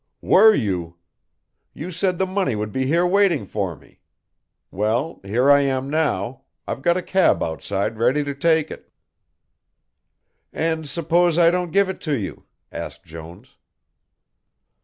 "Were you? You said the money would be here waiting for me well, here I am now, I've got a cab outside ready to take it." "And suppose I don't give it to you?" asked Jones.